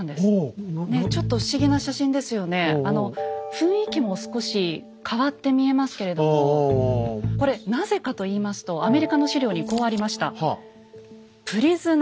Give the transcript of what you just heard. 雰囲気も少し変わって見えますけれどもこれなぜかといいますとアメリカの資料にこうありました。